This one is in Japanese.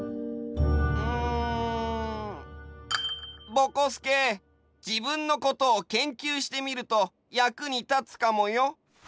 ぼこすけ自分のことを研究してみると役に立つかもよ？